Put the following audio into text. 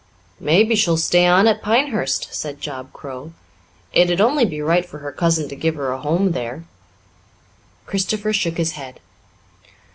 "Maybe she'll stay on at Pinehurst," said Job Crowe. "It'd only be right for her cousin to give her a home there." Christopher shook his head.